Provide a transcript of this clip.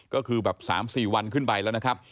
ก็คือแบบ๓๔วันขึ้นไปแล้วนะครับ